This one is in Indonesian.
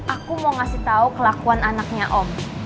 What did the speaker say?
aku mau ngasih tahu kelakuan anaknya om